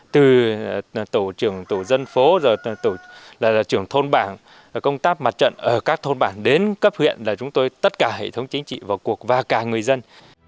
từ tổ trưởng tổ dân phố rồi là trưởng thôn bảng công tác mặt trận ở các thôn bản đến cấp huyện là chúng tôi tất cả hệ thống chính trị vào cuộc và cả người dân